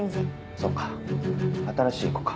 そうか新しい子か。